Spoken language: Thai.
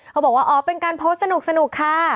เขาบอกว่าอ๋อเป็นการโพสต์สนุกค่ะ